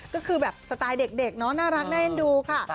ก็คือแบบสไตล์เด็กเนอะน่ารักน่าเอ็นดูค่ะ